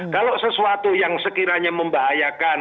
kalau sesuatu yang sekiranya membahayakan